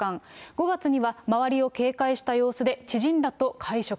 ５月には周りを警戒した様子で、知人らと会食。